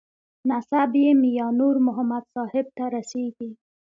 نسب یې میانور محمد صاحب ته رسېږي.